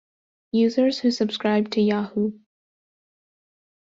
Users who subscribed to Yahoo!